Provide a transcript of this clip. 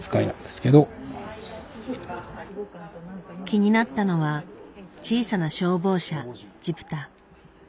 気になったのは「小さな消防車じぷた」。